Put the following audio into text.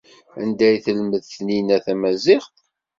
Anda ay telmed Taninna tamaziɣt?